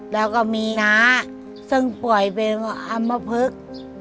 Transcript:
แล้วก็มีน้าซึ่งป่วยเป็นอำมพลึก